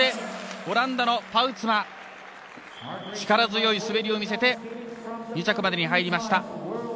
オランダのパウツマ力強い滑りを見せて２着までに入りました。